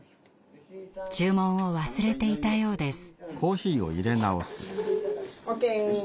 注文を忘れていたようです。